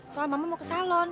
soal mama mau ke salon